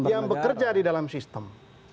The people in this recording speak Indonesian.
yang bekerja di dalam sistem